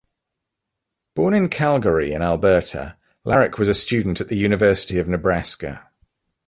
Born in Calgary, Alberta, Lawrick was a student at the University of Nebraska.